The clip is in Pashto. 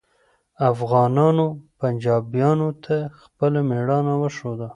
افغانانو پنجابیانو ته خپله میړانه وښوده